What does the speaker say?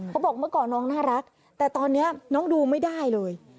บอกเมื่อก่อนน้องน่ารักแต่ตอนนี้น้องดูไม่ได้เลย